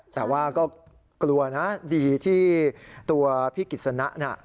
แต่ว่าก็กลัวนะดีที่ตัวพี่กิจสนะ